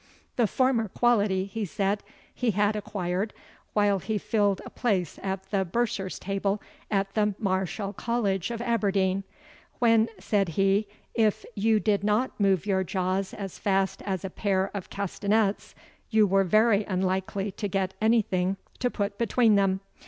"The former quality," he said, "he had acquired, while he filled a place at the bursar's table at the Mareschal College of Aberdeen; when," said he; "if you did not move your jaws as fast as a pair of castanets, you were very unlikely to get any thing to put between them.